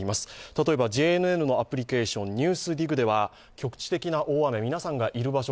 例えばＪＮＮのアプリケーション「ＮＥＷＳＤＩＧ」では局地的な大雨、皆さんがいる場所